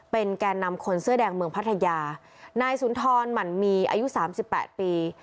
เป็นแก่นำคนเสื้อแดงเมืองพัทยานายสุนทรหมั่นมีอายุสามสิบแปดปี